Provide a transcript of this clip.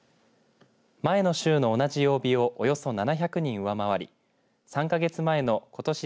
前の週の同じ曜日をおよそ７００人上回り３か月前のことし